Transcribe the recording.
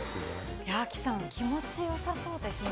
亜希さん、気持ちよさそうでしたね。